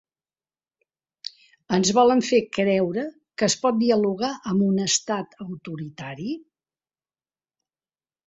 Ens volen fer creure que es pot dialogar amb un estat autoritari?